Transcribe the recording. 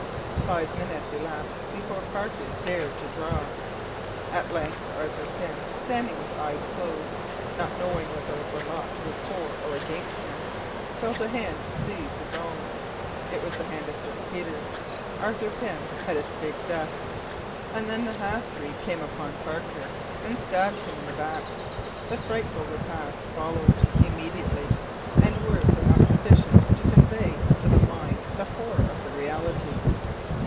Five minutes elapsed before Parker dared to draw. At length Arthur Pym, standing with closed eyes, not knowing whether the lot was for or against him, felt a hand seize his own. It was the hand of Dirk Peters. Arthur Pym had escaped death. And then the half breed rushed upon Parker and stabbed him in the back. The frightful repast followed immediately and words are not sufficient to convey to the mind the horror of the reality.